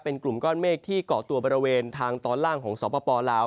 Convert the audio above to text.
เป็นกลุ่มก้อนเมฆที่เกาะตัวบริเวณทางตอนล่างของสปลาว